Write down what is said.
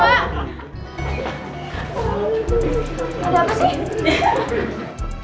ada apa sih